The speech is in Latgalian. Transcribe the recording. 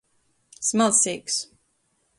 Smalseigs.